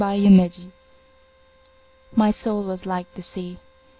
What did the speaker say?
THE MOON My soul was like the sea.